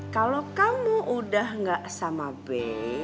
kalau kamu udah gak sama b